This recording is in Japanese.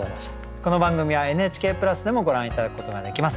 この番組はＮＨＫプラスでもご覧頂くことができます。